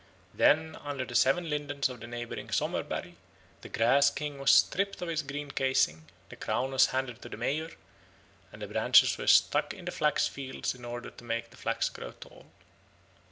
Then under the seven lindens of the neighbouring Sommerberg, the Grass King was stripped of his green casing; the crown was handed to the Mayor, and the branches were stuck in the flax fields in order to make the flax grow tall.